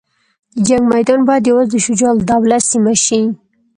د جنګ میدان باید یوازې د شجاع الدوله سیمه شي.